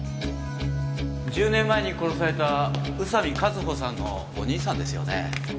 １０年前に殺された宇佐見一穂さんのお兄さんですよね？